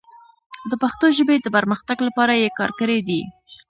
د پښتو ژبې د پرمختګ لپاره یې کار کړی دی.